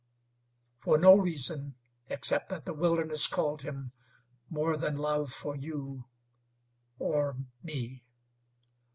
"For no reason, except that the wilderness called him more than love for you or me."